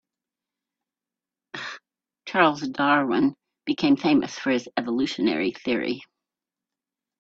Charles Darwin became famous for his evolutionary theory.